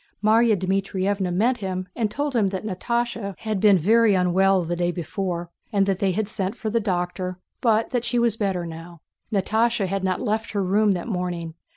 Márya Dmítrievna met him and told him that Natásha had been very unwell the day before and that they had sent for the doctor, but that she was better now. Natásha had not left her room that morning.